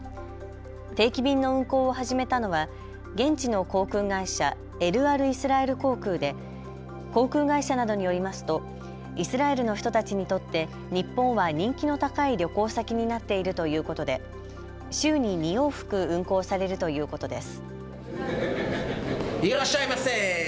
定期便の運航を始めたのは現地の航空会社、エルアルイスラエル航空で航空会社などによりますとイスラエルの人たちにとって日本は人気の高い旅行先になっているということで週に２往復、運航されるということです。